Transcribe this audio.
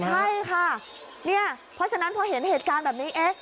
ใช่ค่ะเนี่ยเพราะฉะนั้นพอเห็นเหตุการณ์แบบนี้เอ๊ะ